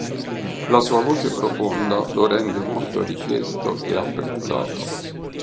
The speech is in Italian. La sua voce profonda lo rende molto richiesto e apprezzato.